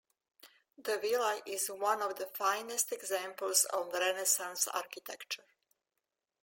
The villa is one of the finest examples of Renaissance architecture.